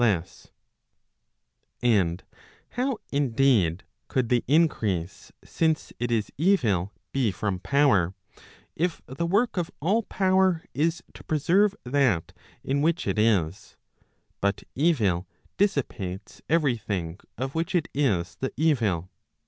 Digitized by boogie 504 ON THE SUBSISTENCE And how indeed could the increase since it is evil be from power, if the work of all power is to preserve that in which it is, but evil dissipates every thing of which it is the evil.